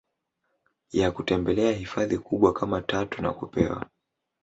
ya kutembelea hifadhi kubwa kama tatu nakupewa